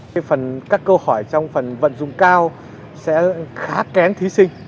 phần các câu hỏi trong phần vận dụng cao sẽ khá kén thí sinh